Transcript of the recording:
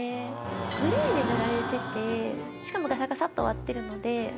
グレーに塗られててしかもガサガサっと終わってるので。